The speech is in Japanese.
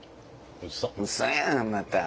うそやんまた。